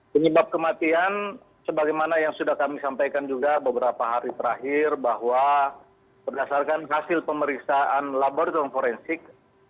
penyebab kematian sebagaimana yang sudah kami sampaikan juga beberapa hari terakhir bahwa berdasarkan hasil pemeriksaan laboratorium forensik